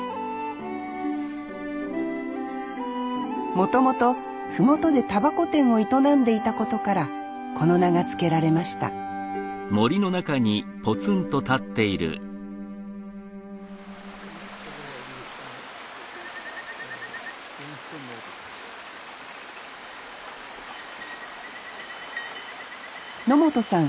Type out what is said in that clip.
もともと麓で煙草店を営んでいたことからこの名が付けられました野本さん